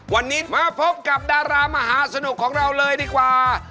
วันนี้มาพบกับดารามหาสนุกของเราเลยดีกว่า